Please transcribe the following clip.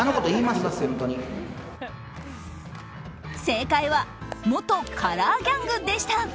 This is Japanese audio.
正解は元カラーギャングでした。